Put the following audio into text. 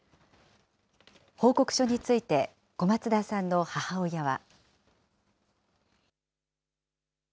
報告書について、小松田さんの母親は。